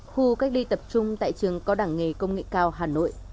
khu cách ly tập trung tại trường có đảng nghề công nghệ cao hà nội